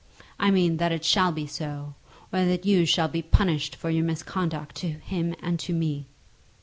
I mean that it shall be so, or that you shall be punished for your misconduct to him and to me."